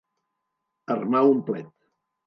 Armar un plet.